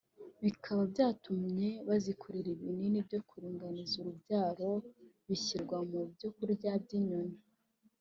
bikaba byatumye bazikorera ibinini byo kuringaniza urubyaro bishyirwa mu byo kurya by’izi nyoni